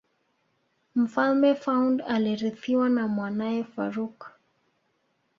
mfalme faund alirithiwa na mwanae farouk